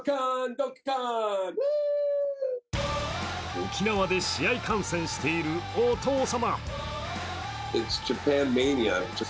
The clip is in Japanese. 沖縄で試合観戦しているお父様。